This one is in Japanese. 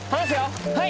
はい！